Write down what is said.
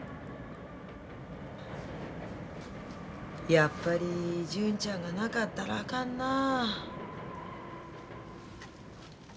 やっぱり純ちゃんがなかったらあかんなあ。